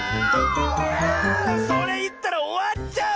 あそれいったらおわっちゃう！